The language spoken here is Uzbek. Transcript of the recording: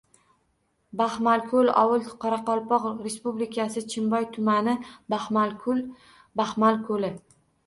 Baxmalko‘l – ovul, Qoraqalpoq Respublikasi Chimboy tumani Baxmalkul – baxmal ko‘li.